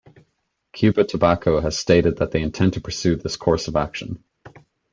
Cubatabaco has stated that they intend to pursue this course of action.